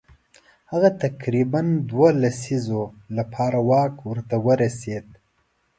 هغه تقریبا دوو لسیزو لپاره واک ورته ورسېد.